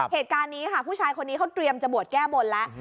เหตุการณ์นี้ค่ะผู้ชายคนนี้เขาเตรียมจะบวชแก้บนแล้ว